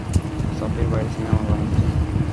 সাব্বির ভাই সিনেমা বানাচ্ছে।